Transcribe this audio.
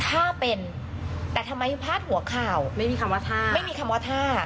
ถ้าเป็นแต่ทำไมพาดหัวข่าวไม่มีคำว่าท่าไม่มีคำว่าท่า